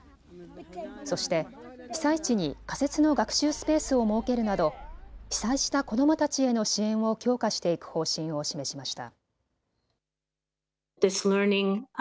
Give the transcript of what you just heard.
そして被災地に仮設の学習スペースを設けるなど被災した子どもたちへの支援を強化していく方針を示しました。